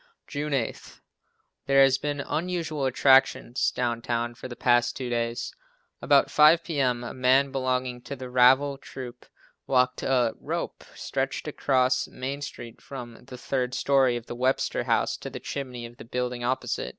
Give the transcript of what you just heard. June 8. There have been unusual attractions down town for the past two days. About 5 p.m. a man belonging to the Ravel troupe walked a rope, stretched across Main street from the third story of the Webster House to the chimney of the building opposite.